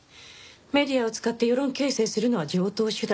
メディアを使って世論形成するのは常套手段。